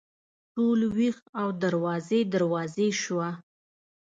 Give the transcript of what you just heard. ټول ویښ او دروازې، دروازې شوه